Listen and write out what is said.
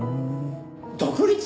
独立！？